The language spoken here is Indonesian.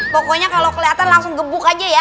pokoknya kalau kelihatan langsung gebuk aja ya